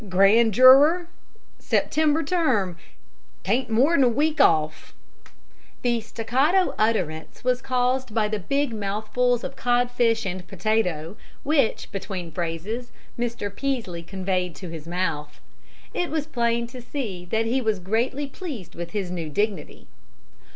Grand juror. September term. 'T ain't more'n a week off." The staccato utterance was caused by the big mouthfuls of codfish and potato which, between phrases, Mr. Peaslee conveyed to his mouth. It was plain to see that he was greatly pleased with his new dignity.